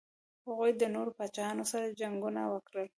هغوی د نورو پاچاهانو سره جنګونه وکړل.